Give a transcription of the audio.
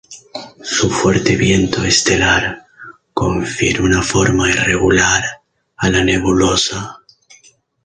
Su fuerte viento estelar confiere una forma irregular a la nebulosa.